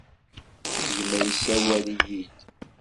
Gma issawel-iyi-d.